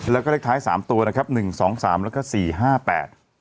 แล้วก็เลขท้ายสามตัวนะครับหนึ่งสองสามแล้วก็สี่ห้าแปด